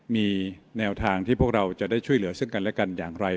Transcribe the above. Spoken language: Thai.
มีแนวทางที่พวกเราจะได้ช่วยเหลือซึ่งกันและกันอย่างไร